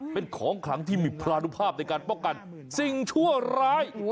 เป็นของขลังที่มีพรานุภาพในการป้องกันสิ่งชั่วร้าย